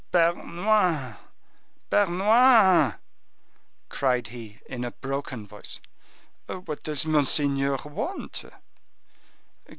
"Bernouin! Bernouin!" cried he in a broken voice. "What does monseigneur want?"